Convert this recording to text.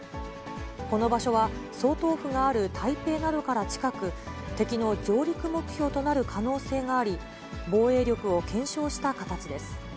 この場所は総統府がある台北などから近く、敵の上陸目標となる可能性があり、防衛力を検証した形です。